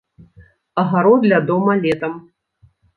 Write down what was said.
Агарод ля дома летам.